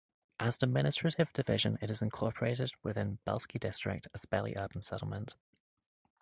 As an administrative division, it is incorporated within Belsky District as Bely Urban Settlement.